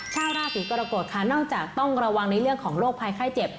ชาวราศีกรกฎค่ะนอกจากต้องระวังในเรื่องของโรคภัยไข้เจ็บ